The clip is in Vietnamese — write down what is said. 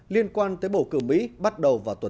liên quan tới bầu cử mỹ bắt đầu